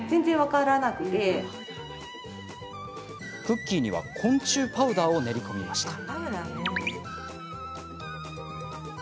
クッキーには昆虫パウダーを練り込みました。